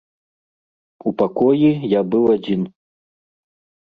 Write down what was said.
У пакоі я быў адзін.